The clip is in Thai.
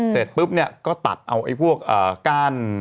เสร็จปุ๊บเนี่ยก็ตัดเอาไอ้พวกกั้น